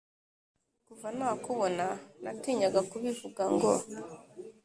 kuva nakubona natinyaga kubivuga ngo